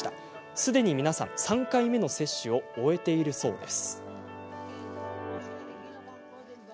すでに皆さん、３回目の接種を終えているそうです。